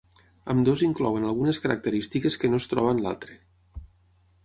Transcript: Ambdós inclouen algunes característiques que no es troba en l'altre.